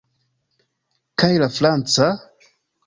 Kaj la franca?